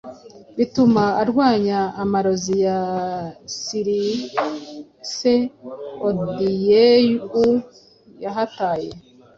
bituma arwanya amarozi ya CirceOdyeu yahataye